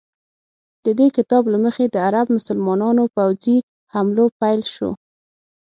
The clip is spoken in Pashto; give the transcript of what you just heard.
د دې کتاب له مخې د عرب مسلمانانو پوځي حملو پیل شو.